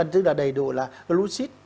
tức là đầy đủ là glucid